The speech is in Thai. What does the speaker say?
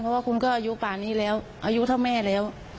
เพราะว่าคุณก็อายุป่านี้แล้วอายุเท่าแม่แล้ว